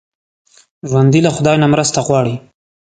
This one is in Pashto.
ژوندي له خدای نه مرسته غواړي